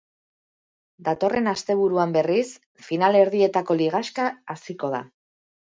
Datorren asteburuan, berriz, finalerdietako ligaxka hasiko da.